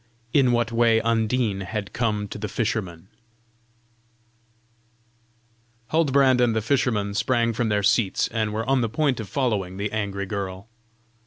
IN WHAT WAY UNDINE HAD COME TO THE FISHERMAN Huldbrand and the fisherman sprang from their seats and were on the point of following the angry girl.